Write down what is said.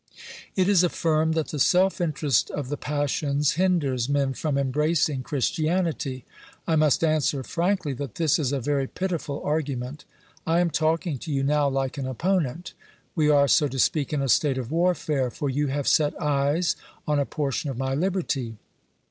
It is affirmed that the self interest of the passions hinders men from embracing Christianity. I must answer frankly that this is a very pitiful argument. I am talking to you now like an opponent : we are, so to speak, in a state of warfare, for you have set eyes on a portion of my liberty.